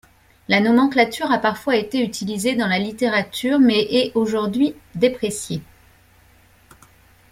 La nomenclature a parfois été utilisée dans la littérature, mais est aujourd'hui dépréciée.